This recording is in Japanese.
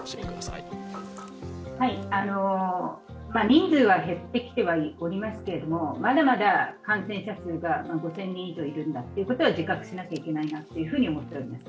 人数は減ってきてはおりますけれどもまだまだ感染者数が５０００人以上いるんだということは自覚しなければいけないと思っています。